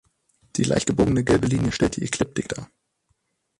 Die leicht gebogene gelbe Linie stellt die Ekliptik dar.